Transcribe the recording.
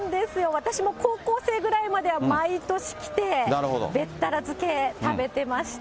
私も高校生ぐらいまでは毎年来て、べったら漬け食べてました。